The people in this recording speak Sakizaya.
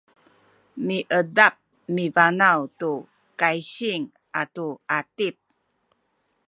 miedap mibanaw tu kaysing atu atip